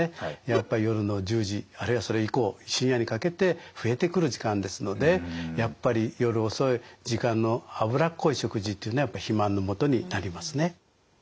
やっぱり夜の１０時あるいはそれ以降深夜にかけて増えてくる時間ですのでやっぱり夜遅い時間の脂っこい食事というのはやっぱり肥満のもとになりますね。